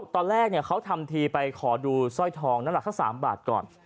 ตอนแรกเขาทำทีไปขอดูสร้อยทองน้ำหนักสัก๓บาทก่อน